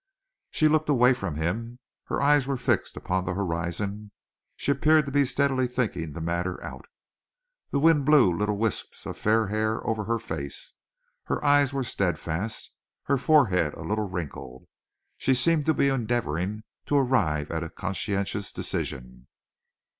She looked away from him. Her eyes were fixed upon the horizon. She appeared to be steadily thinking the matter out. The wind blew little wisps of fair hair over her face. Her eyes were steadfast, her forehead a little wrinkled. She seemed to be endeavoring to arrive at a conscientious decision.